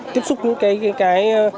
tiếp xúc những cái